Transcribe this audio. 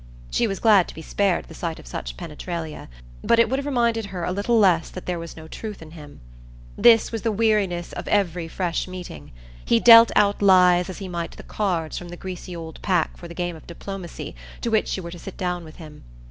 She was glad to be spared the sight of such penetralia, but it would have reminded her a little less that there was no truth in him. This was the weariness of every fresh meeting; he dealt out lies as he might the cards from the greasy old pack for the game of diplomacy to which you were to sit down with him.